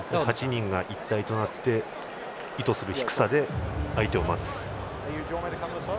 ８人が一体となって意図する低さで相手を待つ。